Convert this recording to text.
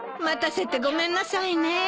待たせてごめんなさいね。